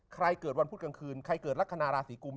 เกิดวันพุธกลางคืนใครเกิดลักษณะราศีกุม